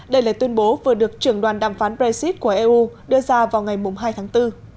đây là tuyên bố vừa được trưởng đoàn đàm phán brexit của eu đưa ra vào ngày hai tháng bốn